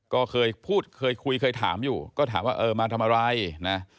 ก็เคยพูดเคยคุยเคยถามอยู่มาทำอะไรนะ